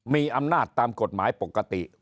มีอำนาจตามกฎหมายปกติ